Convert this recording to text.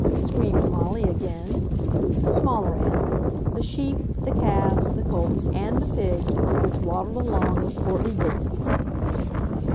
screamed Molly again—the smaller animals, the sheep, the calves, the colts, and the pig, which waddled along with portly dignity.